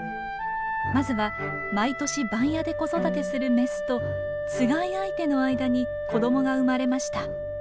まずは毎年番屋で子育てするメスとつがい相手の間に子どもが生まれました。